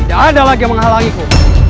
ada lagi menghalangiku